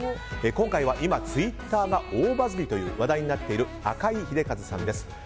今回は、今ツイッターが大バズりとなって話題になっている赤井英和さんです。